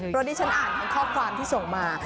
เพราะดิฉันอ่านทั้งข้อความที่ส่งมา